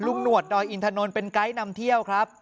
หนวดดอยอินทนนท์เป็นไกด์นำเที่ยวครับ